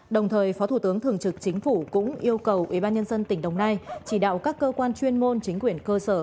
đồng thời phó thủ tướng thường trực chính phủ cũng yêu cầu ubnd tỉnh đồng nai chỉ đạo các cơ quan chuyên môn chính quyền cơ sở